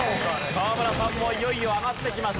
河村さんもいよいよ上がってきました。